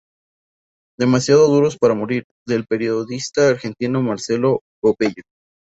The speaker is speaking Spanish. Demasiado duros para morir" del periodista argentino Marcelo Gobello.